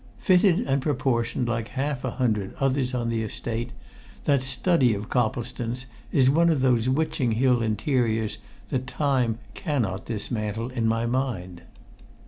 Fitted and proportioned like half a hundred others on the Estate, that study of Coplestone's is one of those Witching Hill interiors that time cannot dismantle in my mind.